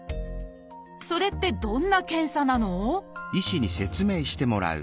それってどんな検査なの？